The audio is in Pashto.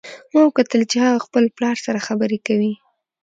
ما وکتل چې هغه خپل پلار سره خبرې کوي